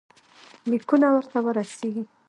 لیکونه ورته ورسیږي.